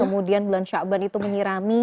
kemudian bulan syakban itu menyirami